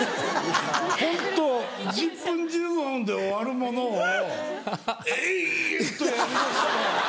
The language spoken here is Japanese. ホント１０分１５分で終わるものを延々とやり直して。